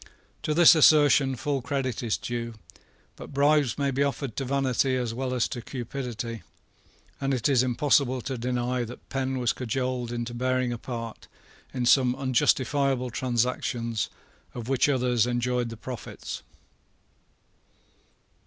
To this assertion full credit is due. But bribes may be offered to vanity as well as to cupidity; and it is impossible to deny that Penn was cajoled into bearing a part in some unjustifiable transactions of which others enjoyed the profits.